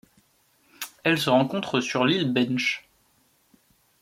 Elle se rencontre sur l'île Bench.